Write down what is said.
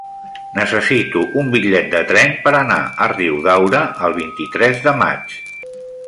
Necessito un bitllet de tren per anar a Riudaura el vint-i-tres de maig.